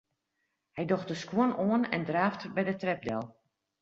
Hy docht de skuon oan en draaft by de trep del.